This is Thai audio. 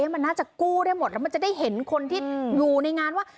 มันน่าจะกู้ได้หมดแล้วมันจะได้เห็นคนที่อยู่ในงานว่า